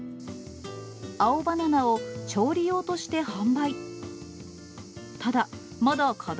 青バナナを調理用として販売。